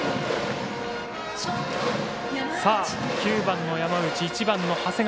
９番の山内、１番の長谷川。